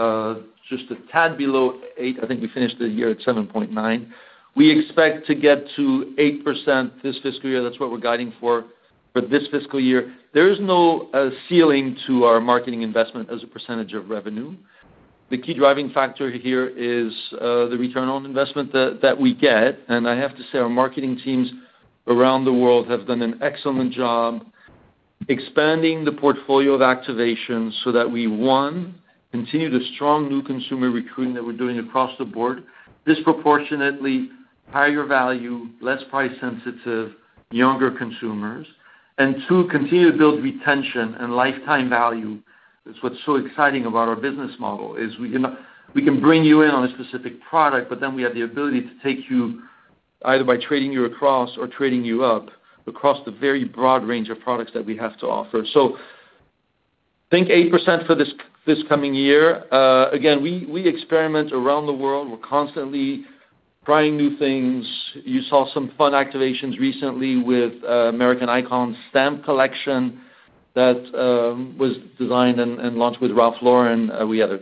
just a tad below 8%. I think we finished the year at 7.9%. We expect to get to 8% this fiscal year. That's what we're guiding for this fiscal year. There is no ceiling to our marketing investment as a percentage of revenue. The key driving factor here is the return on investment that we get. I have to say, our marketing teams around the world have done an excellent job expanding the portfolio of activations so that we, one, continue the strong new consumer recruiting that we're doing across the board, disproportionately higher value, less price sensitive, younger consumers. Two, continue to build retention and lifetime value. That is what is so exciting about our business model, is we can bring you in on a specific product, but then we have the ability to take you, either by trading you across or trading you up, across the very broad range of products that we have to offer. Think 8% for this coming year. Again, we experiment around the world. We are constantly trying new things. You saw some fun activations recently with American Icon stamp collection that was designed and launched with Ralph Lauren. We had a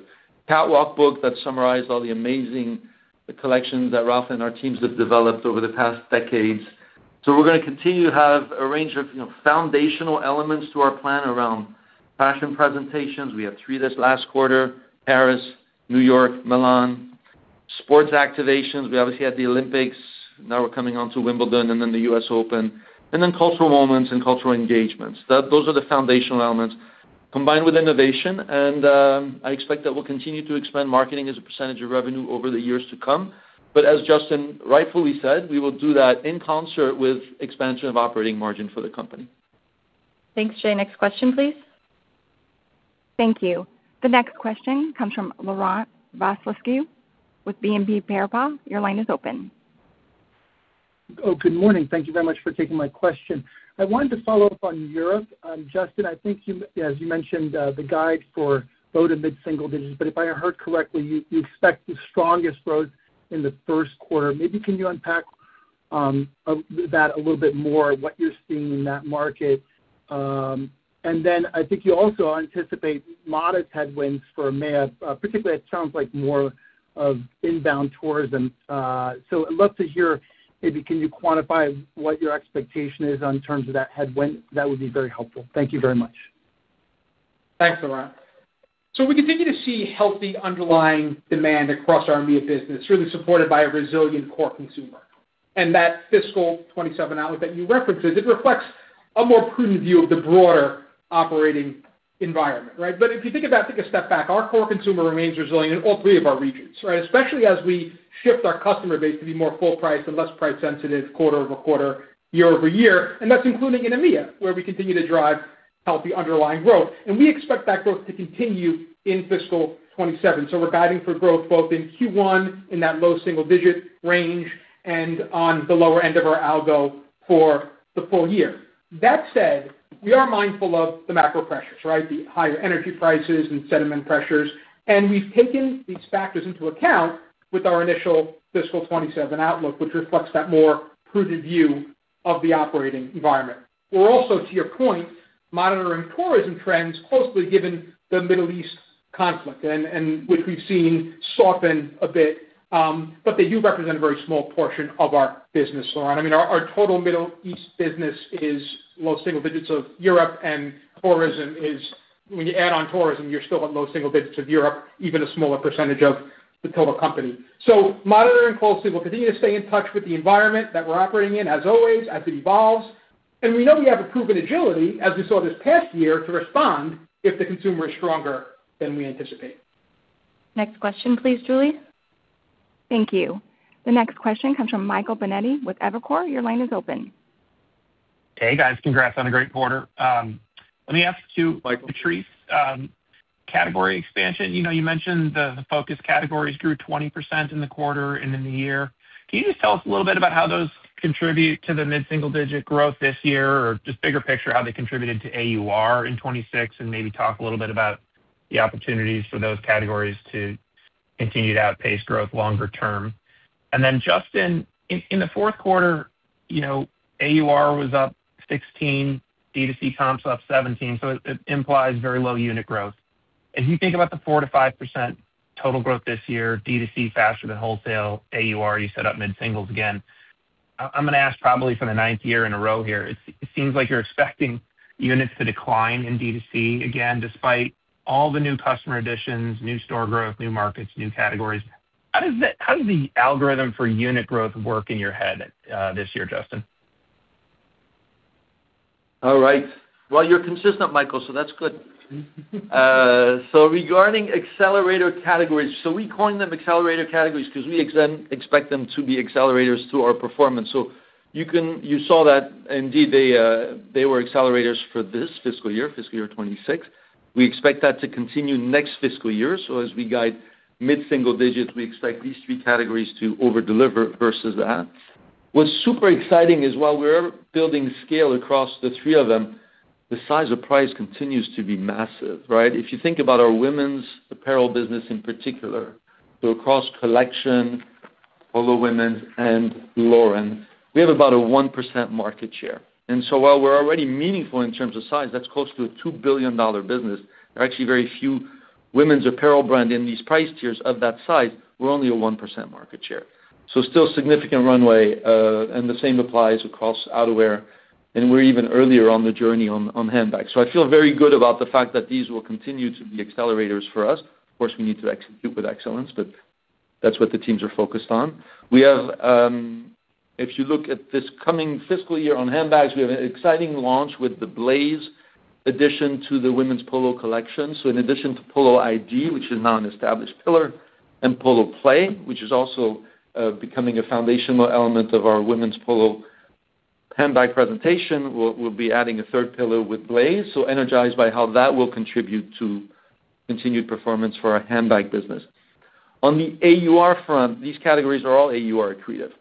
catwalk book that summarized all the amazing collections that Ralph and our teams have developed over the past decades. We are going to continue to have a range of foundational elements to our plan around fashion presentations. We had three this last quarter, Paris, New York, Milan. Sports activations. We obviously had the Olympics. We're coming on to Wimbledon and then the U.S. Open. Cultural moments and cultural engagements. Those are the foundational elements combined with innovation, and I expect that we'll continue to expand marketing as a percentage of revenue over the years to come. As Justin rightfully said, we will do that in concert with expansion of operating margin for the company. Thanks, Jay. Next question, please. Thank you. The next question comes from Laurent Vasilescu with BNP Paribas. Your line is open. Oh, good morning. Thank you very much for taking my question. I wanted to follow up on Europe. Justin, I think as you mentioned, the guide for both in mid-single digits. If I heard correctly, you expect the strongest growth in the first quarter. Maybe can you unpack that a little bit more, what you're seeing in that market? I think you also anticipate modest headwinds for EMEA, particularly it sounds like more of inbound tourism. I'd love to hear, maybe can you quantify what your expectation is in terms of that headwind? That would be very helpful. Thank you very much. Thanks, Laurent. We continue to see healthy underlying demand across our EMEA business, really supported by a resilient core consumer. That fiscal 2027 outlook that you referenced, it reflects a more prudent view of the broader operating environment, right? If you think about, take a step back, our core consumer remains resilient in all three of our regions, right? Especially as we shift our customer base to be more full price and less price-sensitive quarter-over-quarter, year-over-year. That's including in EMEA, where we continue to drive healthy underlying growth. We expect that growth to continue in fiscal 2027. We're guiding for growth both in Q1 in that low single-digit range and on the lower end of our algo for the full year. That said, we are mindful of the macro pressures, right? The higher energy prices and sentiment pressures. We've taken these factors into account with our initial fiscal 2027 outlook, which reflects that more prudent view of the operating environment. We're also, to your point, monitoring tourism trends closely given the Middle East conflict, and which we've seen soften a bit, but they do represent a very small portion of our business, Laurent. I mean, our total Middle East business is low single digits of Europe and when you add on tourism, you're still at low single digits of Europe, even a smaller percentage of the total company. Monitoring closely. We'll continue to stay in touch with the environment that we're operating in as always, as it evolves. We know we have a proven agility, as we saw this past year, to respond if the consumer is stronger than we anticipate. Next question, please, Julie. Thank you. The next question comes from Michael Binetti with Evercore. Your line is open. Hey, guys. Congrats on a great quarter. Let me ask to Patrice category expansion. You mentioned the focus categories grew 20% in the quarter and in the year. Can you just tell us a little bit about how those contribute to the mid-single-digit growth this year, or just bigger picture, how they contributed to AUR in 2026, and maybe talk a little bit about the opportunities for those categories to continue to outpace growth longer term? Then Justin, in the fourth quarter, AUR was up 16%, DTC comps up 17%, so it implies very low unit growth. If you think about the 4%-5% total growth this year, DTC faster than wholesale, AUR, you said up mid-singles again. I'm gonna ask probably for the ninth year in a row here. It seems like you're expecting units to decline in DTC again, despite all the new customer additions, new store growth, new markets, new categories. How does the algorithm for unit growth work in your head this year, Justin? All right. Well, you're consistent, Michael, that's good. Regarding accelerator categories, we coin them accelerator categories because we expect them to be accelerators to our performance. You saw that indeed they were accelerators for this fiscal year, fiscal year 2026. We expect that to continue next fiscal year. As we guide mid-single digits, we expect these three categories to over-deliver versus that. What's super exciting is while we're building scale across the three of them, the size of prize continues to be massive, right? If you think about our women's apparel business in particular, across collection, Polo women and Lauren, we have about a 1% market share. While we're already meaningful in terms of size, that's close to a $2 billion business. There are actually very few women's apparel brand in these price tiers of that size. We're only a 1% market share. Still significant runway, and the same applies across outerwear, and we're even earlier on the journey on handbags. I feel very good about the fact that these will continue to be accelerators for us. Of course, we need to execute with excellence, but that's what the teams are focused on. If you look at this coming fiscal year on handbags, we have an exciting launch with the Blaze addition to the women's Polo collection. In addition to Polo ID, which is now an established pillar, and Polo Play, which is also becoming a foundational element of our women's Polo handbag presentation, we'll be adding a third pillar with Blaze. Energized by how that will contribute to continued performance for our handbag business. On the AUR front, these categories are all AUR accretive.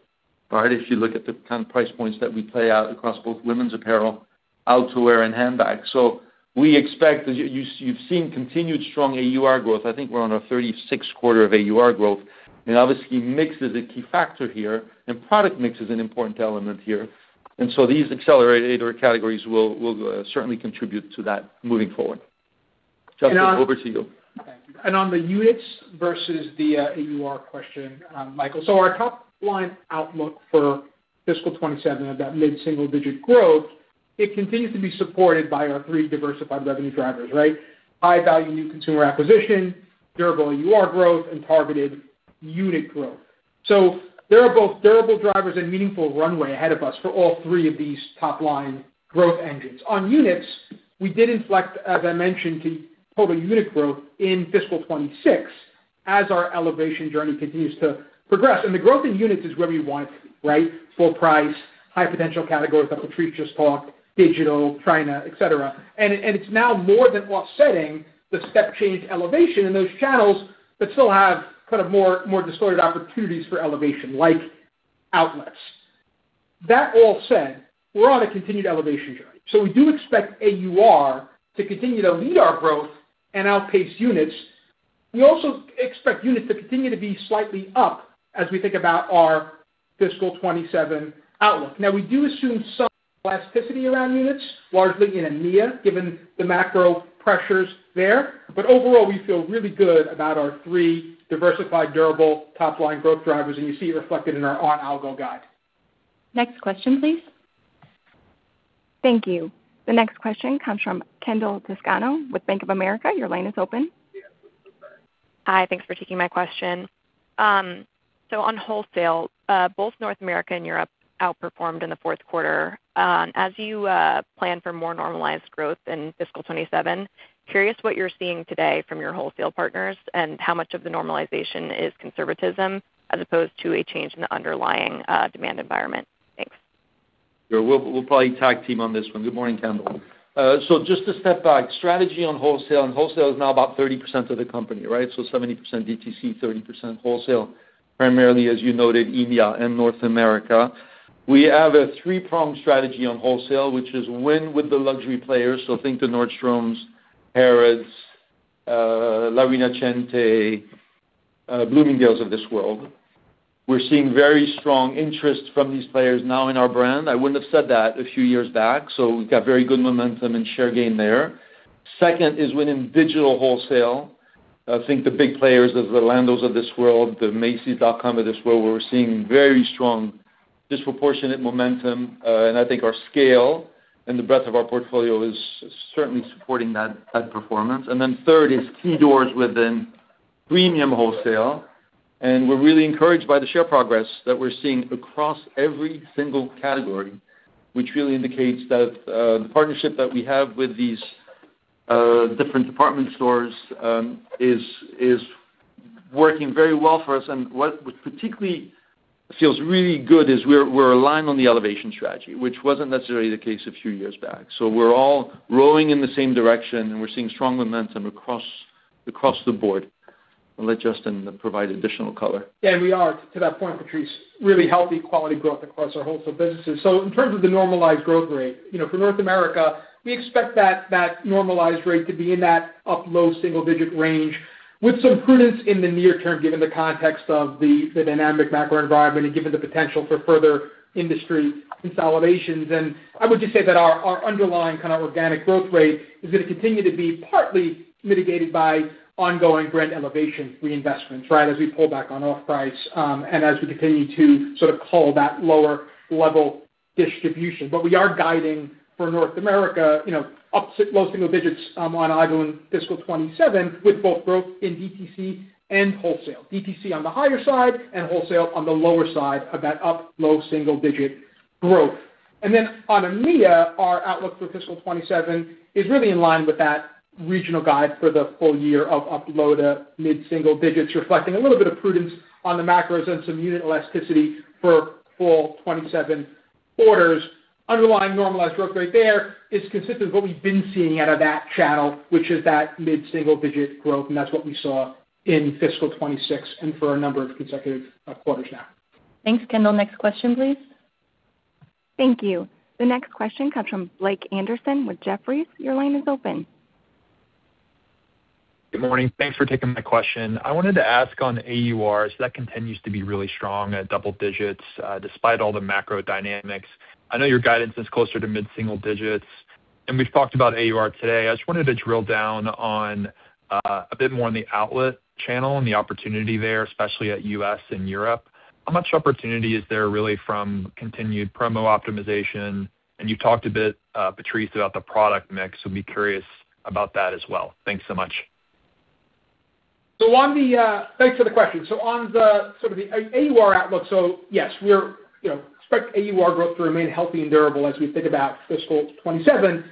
Right? If you look at the kind of price points that we play out across both women's apparel, outerwear, and handbags. We expect as you've seen continued strong AUR growth, I think we're on our 36th quarter of AUR growth, obviously mix is a key factor here and product mix is an important element here. These accelerator categories will certainly contribute to that moving forward. Justin, over to you. On the units versus the AUR question, Michael. Our top-line outlook for fiscal 2027 of that mid-single-digit growth, it continues to be supported by our three diversified revenue drivers, right? High-value new consumer acquisition, durable AUR growth, and targeted unit growth. There are both durable drivers and meaningful runway ahead of us for all three of these top-line growth engines. On units, we did inflect, as I mentioned, to total unit growth in fiscal 2026 as our elevation journey continues to progress. The growth in units is where we want it to be, right? Full price, high potential categories that Patrice just talked, digital, China, et cetera. It's now more than offsetting the step change elevation in those channels that still have more distorted opportunities for elevation, like outlets. That all said, we're on a continued elevation journey. We do expect AUR to continue to lead our growth and outpace units. We also expect units to continue to be slightly up as we think about our fiscal 2027 outlook. Now, we do assume some plasticity around units, largely in EMEA, given the macro pressures there. Overall, we feel really good about our three diversified, durable, top-line growth drivers, and you see it reflected in our on algo guide. Next question, please. Thank you. The next question comes from Kendall Toscano with Bank of America. Your line is open. Hi. Thanks for taking my question. On wholesale, both North America and Europe outperformed in the fourth quarter. As you plan for more normalized growth in fiscal 2027, curious what you're seeing today from your wholesale partners and how much of the normalization is conservatism as opposed to a change in the underlying demand environment. Thanks. Sure. We'll probably tag team on this one. Good morning, Kendall. Just to step back, strategy on wholesale is now about 30% of the company, right? 70% DTC, 30% wholesale, primarily, as you noted, EMEA and North America. We have a three-pronged strategy on wholesale, which is win with the luxury players. Think the Nordstrom, Harrods, La Rinascente, Bloomingdale's of this world. We're seeing very strong interest from these players now in our brand. I wouldn't have said that a few years back. We've got very good momentum and share gain there. Second is winning digital wholesale. Think the big players, the Zalando of this world, the macys.com of this world. We're seeing very strong disproportionate momentum. I think our scale and the breadth of our portfolio is certainly supporting that performance. Third is key doors within premium wholesale. We're really encouraged by the share progress that we're seeing across every single category, which really indicates that the partnership that we have with these different department stores is working very well for us. What particularly feels really good is we're aligned on the elevation strategy, which wasn't necessarily the case a few years back. We're all rowing in the same direction, and we're seeing strong momentum across the board. I'll let Justin provide additional color. Yeah, we are, to that point, Patrice, really healthy quality growth across our wholesale businesses. In terms of the normalized growth rate, for North America, we expect that normalized rate to be in that up low single-digit range with some prudence in the near term, given the context of the dynamic macro environment and given the potential for further industry consolidations. I would just say that our underlying organic growth rate is going to continue to be partly mitigated by ongoing brand elevation reinvestments, right? As we pull back on off-price, and as we continue to cull that lower level distribution. We are guiding for North America, up low single digits on ongoing fiscal 2027 with both growth in DTC and wholesale. DTC on the higher side and wholesale on the lower side of that up low single digit growth. On EMEA, our outlook for fiscal 2027 is really in line with that regional guide for the full year of up low to mid-single digits, reflecting a little bit of prudence on the macros and some unit elasticity for full 2027 orders. Underlying normalized growth rate there is consistent with what we've been seeing out of that channel, which is that mid-single digit growth, and that's what we saw in fiscal 2026 and for a number of consecutive quarters now. Thanks, Kendall. Next question, please. Thank you. The next question comes from Blake Anderson with Jefferies. Your line is open. Good morning. Thanks for taking my question. I wanted to ask on AURs. That continues to be really strong at double digits, despite all the macro dynamics. I know your guidance is closer to mid-single digits. We've talked about AUR today. I just wanted to drill down on a bit more on the outlet channel and the opportunity there, especially at U.S. and Europe. How much opportunity is there really from continued promo optimization? You talked a bit, Patrice, about the product mix. Be curious about that as well. Thanks so much. Thanks for the question. On the AUR outlook, yes, we expect AUR growth to remain healthy and durable as we think about fiscal 2027,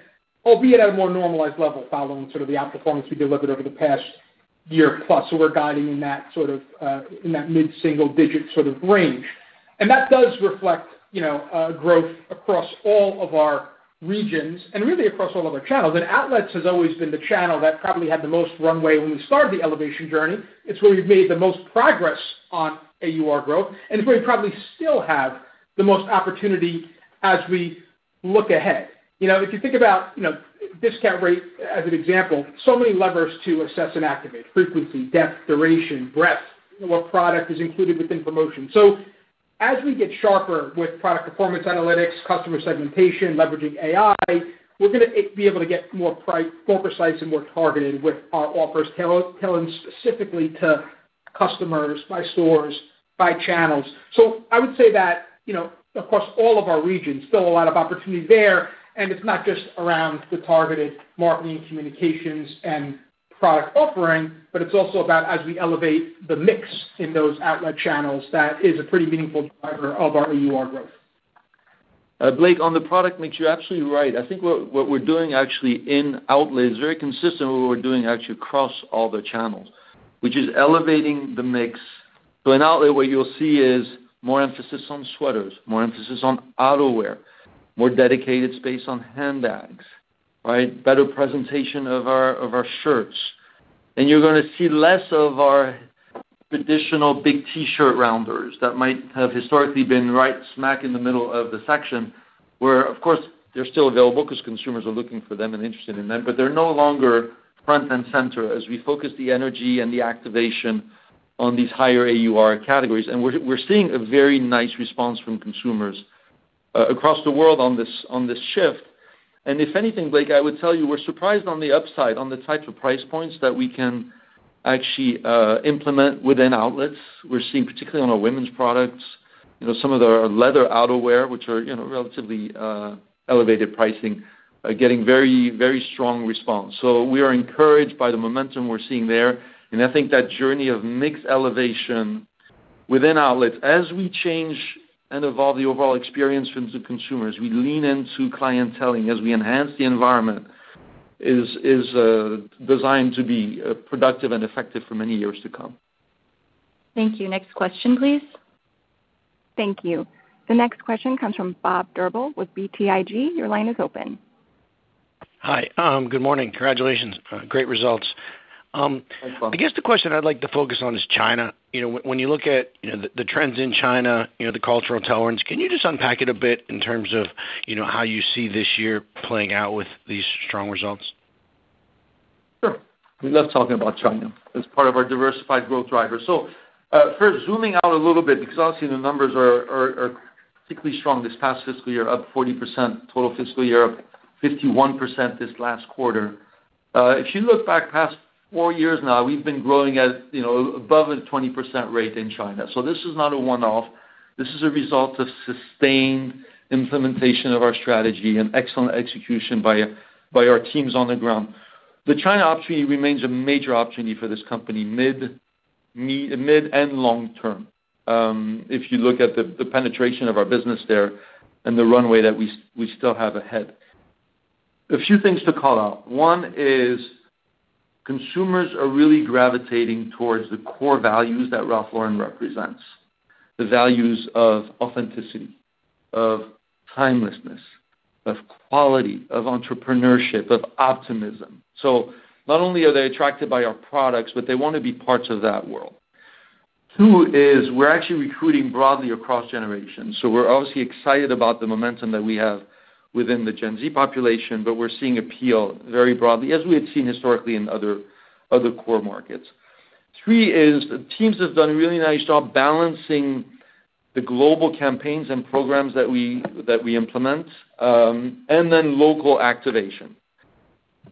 albeit at a more normalized level following the outperformance we delivered over the past year plus. We're guiding in that mid-single-digit range. That does reflect growth across all of our regions and really across all of our channels. Outlets has always been the channel that probably had the most runway when we started the elevation journey. It's where we've made the most progress on AUR growth, and it's where we probably still have the most opportunity as we look ahead. If you think about discount rate as an example, so many levers to assess and activate, frequency, depth, duration, breadth, what product is included within promotion. As we get sharper with product performance analytics, customer segmentation, leveraging AI, we're going to be able to get more precise and more targeted with our offers, tailoring specifically to customers by stores, by channels. I would say that across all of our regions, still a lot of opportunity there, and it's not just around the targeted marketing communications and product offering, but it's also about as we elevate the mix in those outlet channels, that is a pretty meaningful driver of our AUR growth. Blake, on the product mix, you're absolutely right. I think what we're doing actually in outlet is very consistent with what we're doing actually across all the channels, which is elevating the mix. In outlet, what you'll see is more emphasis on sweaters, more emphasis on outerwear, more dedicated space on handbags, right? Better presentation of our shirts. You're going to see less of our traditional big T-shirt rounders that might have historically been right smack in the middle of the section where, of course, they're still available because consumers are looking for them and interested in them, but they're no longer front and center as we focus the energy and the activation on these higher AUR categories. We're seeing a very nice response from consumers across the world on this shift. If anything, Blake, I would tell you we're surprised on the upside on the types of price points that we can actually implement within outlets. We're seeing, particularly on our women's products, some of the leather outerwear, which are relatively elevated pricing, are getting very strong response. We are encouraged by the momentum we're seeing there, and I think that journey of mix elevation within outlets as we change and evolve the overall experience for the consumers, we lean into clienteling as we enhance the environment, is designed to be productive and effective for many years to come. Thank you. Next question, please. Thank you. The next question comes from Bob Drbul with BTIG. Your line is open. Hi. Good morning. Congratulations. Great results. Thanks, Bob. I guess the question I'd like to focus on is China. When you look at the trends in China, the cultural tolerance, can you just unpack it a bit in terms of how you see this year playing out with these strong results? Sure. We love talking about China. It's part of our diversified growth driver. First zooming out a little bit, because obviously the numbers are particularly strong this past fiscal year, up 40% total fiscal year, up 51% this last quarter. If you look back past four years now, we've been growing at above a 20% rate in China. This is not a one-off. This is a result of sustained implementation of our strategy and excellent execution by our teams on the ground. The China opportunity remains a major opportunity for this company, mid and long term, if you look at the penetration of our business there and the runway that we still have ahead. A few things to call out. One is consumers are really gravitating towards the core values that Ralph Lauren represents, the values of authenticity, of timelessness, of quality, of entrepreneurship, of optimism. Not only are they attracted by our products, but they want to be parts of that world. Two is we're actually recruiting broadly across generations. We're obviously excited about the momentum that we have within the Gen Z population, but we're seeing appeal very broadly, as we had seen historically in other core markets. Three is the teams have done a really nice job balancing the global campaigns and programs that we implement, and then local activation.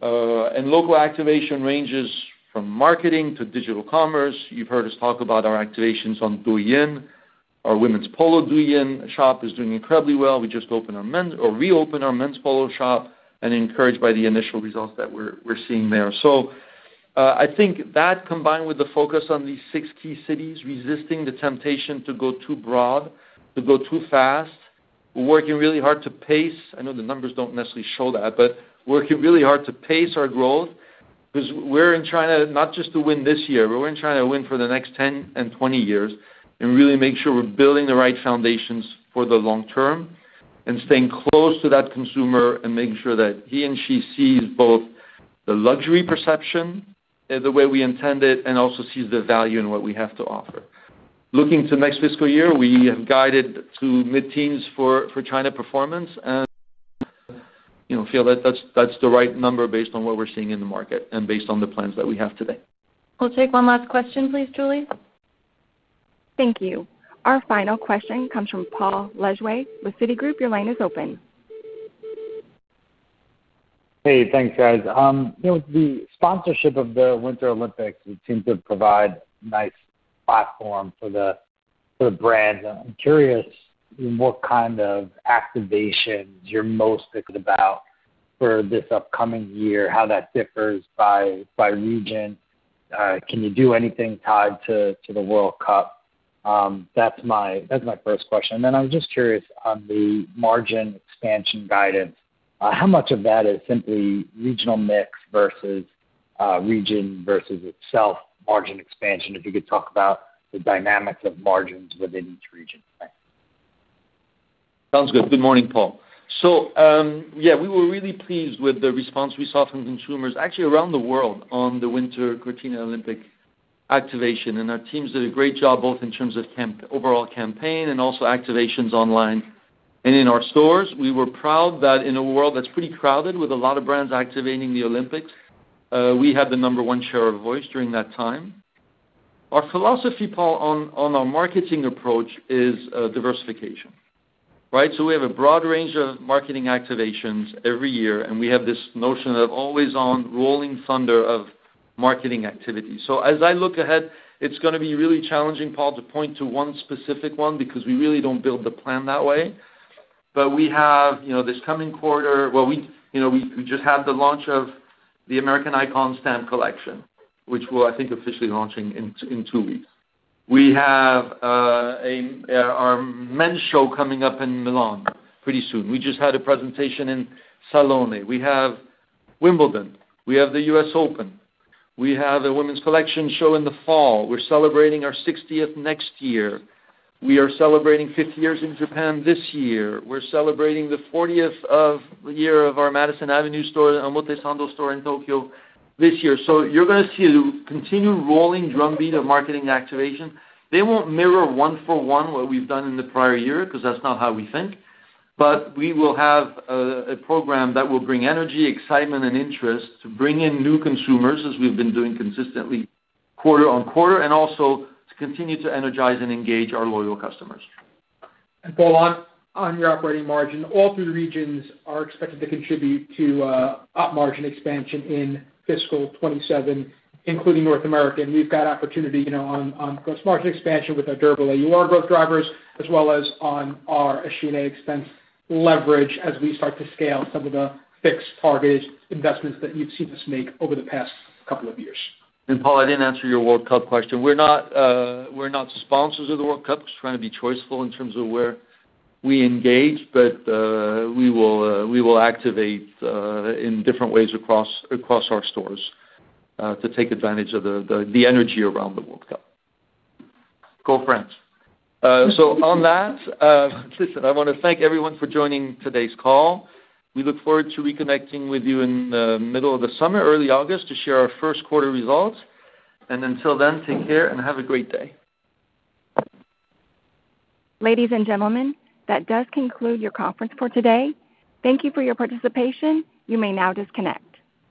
Local activation ranges from marketing to digital commerce. You've heard us talk about our activations on Douyin. Our women's Polo Douyin shop is doing incredibly well. We just reopened our men's Polo shop and encouraged by the initial results that we're seeing there. I think that combined with the focus on these six key cities, resisting the temptation to go too broad, to go too fast. We're working really hard to pace. I know the numbers don't necessarily show that, but working really hard to pace our growth because we're in China not just to win this year. We're in China to win for the next 10 and 20 years and really make sure we're building the right foundations for the long term and staying close to that consumer and making sure that he and she sees both the luxury perception the way we intend it and also sees the value in what we have to offer. Looking to next fiscal year, we have guided to mid-teens for China performance, and feel that that's the right number based on what we're seeing in the market and based on the plans that we have today. We'll take one last question, please, Julie. Thank you. Our final question comes from Paul Lejuez with Citigroup. Your line is open. Hey, thanks, guys. The sponsorship of the Winter Olympics would seem to provide nice platform for the brand. I'm curious what kind of activations you're most excited about for this upcoming year, how that differs by region. Can you do anything tied to the World Cup? That's my first question. I was just curious on the margin expansion guidance, how much of that is simply regional mix versus region versus itself margin expansion? If you could talk about the dynamics of margins within each region. Thanks. Sounds good. Good morning, Paul. Yeah, we were really pleased with the response we saw from consumers actually around the world on the Winter Cortina Olympic activation, and our teams did a great job, both in terms of overall campaign and also activations online and in our stores. We were proud that in a world that's pretty crowded with a lot of brands activating the Olympics, we had the number one share of voice during that time. Our philosophy, Paul, on our marketing approach is diversification, right? We have a broad range of marketing activations every year, and we have this notion of always-on rolling thunder of marketing activity. As I look ahead, it's going to be really challenging, Paul, to point to one specific one because we really don't build the plan that way. Well, we just had the launch of the American Icon Stamp collection, which we're, I think, officially launching in two weeks. We have our men's show coming up in Milan pretty soon. We just had a presentation in Salone. We have Wimbledon. We have the U.S. Open. We have a women's collection show in the fall. We're celebrating our 60th next year. We are celebrating 50 years in Japan this year. We're celebrating the 40th year of our Madison Avenue store, the Omotesando store in Tokyo this year. You're going to see a continued rolling drumbeat of marketing activation. They won't mirror one-for-one what we've done in the prior year, because that's not how we think. We will have a program that will bring energy, excitement, and interest to bring in new consumers as we've been doing consistently quarter-on-quarter, and also to continue to energize and engage our loyal customers. Paul, on your operating margin, all three regions are expected to contribute to op margin expansion in FY 2027, including North America. We've got opportunity on gross margin expansion with our durable AUR growth drivers, as well as on our SG&A expense leverage as we start to scale some of the fixed target investments that you've seen us make over the past couple of years. Paul, I didn't answer your World Cup question. We're not sponsors of the World Cup. Just trying to be choiceful in terms of where we engage. We will activate in different ways across our stores to take advantage of the energy around the World Cup. Go France. On that listen, I want to thank everyone for joining today's call. We look forward to reconnecting with you in the middle of the summer, early August, to share our first quarter results. Until then, take care and have a great day. Ladies and gentlemen, that does conclude your conference for today. Thank you for your participation. You may now disconnect.